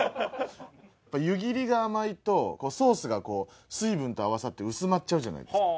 湯切りが甘いとソースがこう水分と合わさって薄まっちゃうじゃないですか。